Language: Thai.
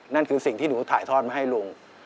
นั่นคือสิ่งที่หนูถ่ายทอดมาให้ลุง